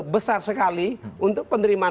besar sekali untuk penerimaan